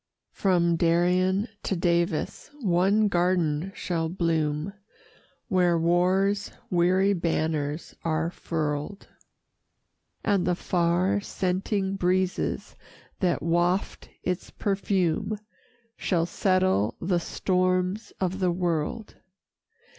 From Darien to Davis one garden shall bloom, Where war's weary banners are furl'd, And the far scenting breezes that waft its perfume, Shall settle the storms of the world.